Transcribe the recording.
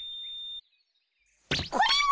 これは！